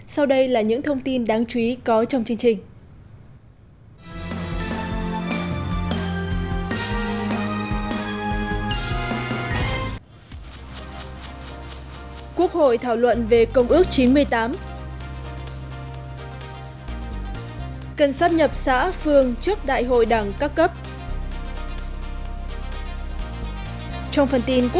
sau đây là những thông tin đáng chú ý có trong chương trình